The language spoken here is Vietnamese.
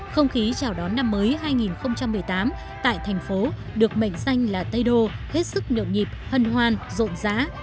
không khí chào đón năm mới hai nghìn một mươi tám tại thành phố được mệnh danh là tây đô hết sức nhượng nhịp hân hoan rộn rã